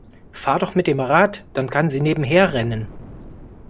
Fahr doch mit dem Rad, dann kann sie nebenher rennen.